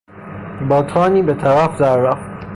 با تانی به طرف در رفت.